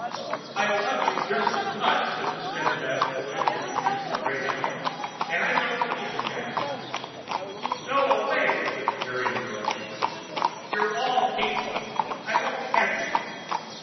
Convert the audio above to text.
"I love you just as much," said the steadfast Boy leaning against a greyhound, "and I don't believe the Cat." "Go away," said the Parian girl, angrily. "You're all hateful. I won't have you."